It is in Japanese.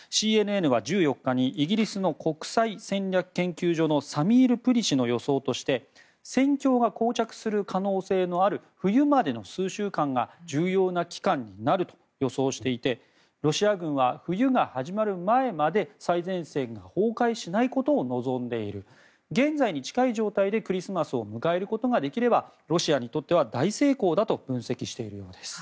ＣＮＮは１４日にイギリスの国際戦略研究所のサミール・プリ氏の予想として戦況がこう着する可能性のある冬までの数週間が重要な期間になると予想していてロシア軍は冬が始まる前まで最前線が崩壊しないことを望んでいる現在に近い状態でクリスマスを迎えることができればロシアにとっては大成功だと分析しているようです。